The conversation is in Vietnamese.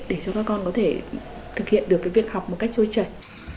để cho các con có thể thực hiện được việc học một cách trôi chảy